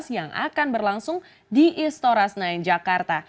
yang akan berlangsung di istoras sembilan jakarta